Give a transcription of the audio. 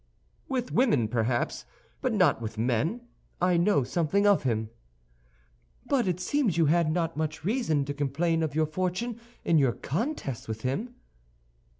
"With women, perhaps; but not with men. I know something of him." "But it seems you had not much reason to complain of your fortune in your contest with him."